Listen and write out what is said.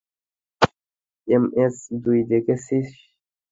MS, তুই দেখেছিস?